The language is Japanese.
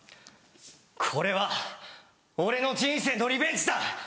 「これは俺の人生のリベンジだ。